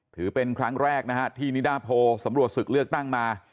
ถือเป็นครั้งแรกนะฮะที่นิดาโพสำรวจศึกเลือกตั้งมา